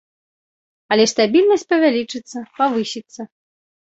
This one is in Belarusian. Але стабільнасць павялічыцца, павысіцца.